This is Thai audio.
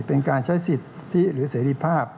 เป็นการใช้สิทธิหรือเสรีภาพ